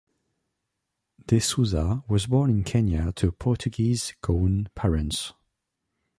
De Sousa was born in Kenya to Portuguese Goan parents.